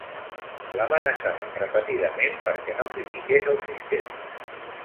L'amenaçaven repetidament perquè no critiqués el sistema.